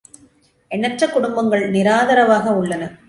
எண்ணற்ற குடும்பங்கள் நிராதரவாக உள்ளன.